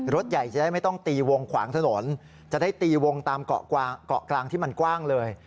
รถใหญ่จะได้ไม่ต้องตีวงขวางถนนจะได้ตีวงตามเกาะกลางที่มันกว้างเลย